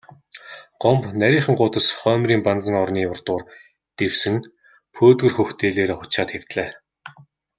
Гомбо нарийхан гудас хоймрын банзан орны урдуур дэвсэн пөөдгөр хөх дээлээрээ хучаад хэвтлээ.